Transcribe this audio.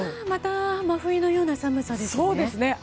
また真冬のような寒さですね。